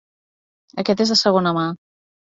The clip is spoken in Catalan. Aquest és de segona mà.